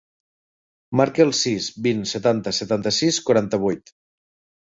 Marca el sis, vint, setanta, setanta-sis, quaranta-vuit.